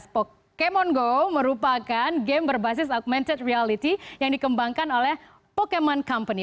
pokemon go merupakan game berbasis augmented reality yang dikembangkan oleh pokemon company